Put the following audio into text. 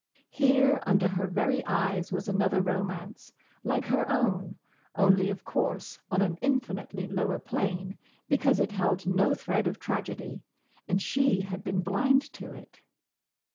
Here, under her very eyes, was another romance, like her own—only, of course, on an infinitely lower plane, because it held no thread of tragedy—and she had been blind to it.